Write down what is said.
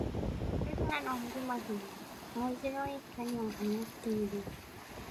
夜空の星々が、青白い光を放っている。